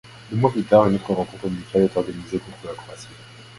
Deux mois plus tard, une autre rencontre amicale est organisée contre la Croatie.